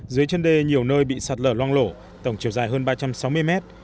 dưới chân đê nhiều nơi bị sạt lở loang lổ tổng chiều dài hơn ba trăm sáu mươi mét